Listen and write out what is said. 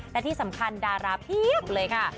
และที่สำคัญดาราเพียบเลยค่ะ